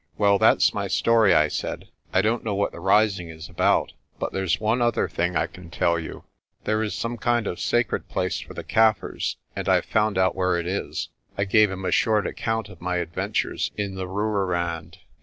"Well, that's my story," I said. "I don't know what the rising is about, but there's one other thing I can tell you. There's some kind of sacred place for the Kaffirs, and I've 94 PRESTER JOHN found out where it is." I gave him a short account of my adventures in the Rooirand.